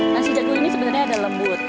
masih jatuh ini sebenarnya ada lembut